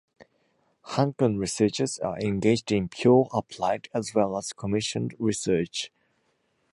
Hanken researchers are engaged in pure, applied, as well as commissioned research.